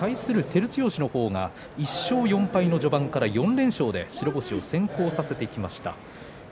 照強が１勝４敗の序盤から４連勝で白星を先行させてきました。